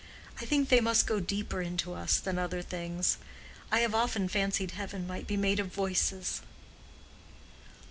I think they must go deeper into us than other things. I have often fancied heaven might be made of voices."